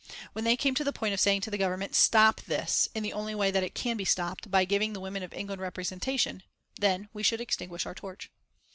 When they came to the point of saying to the Government: "Stop this, in the only way it can be stopped, by giving the women of England representation," then we should extinguish our torch.